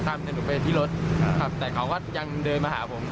หนูไปที่รถครับแต่เขาก็ยังเดินมาหาผม